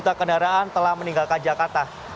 tiga kendaraan telah meninggalkan jakarta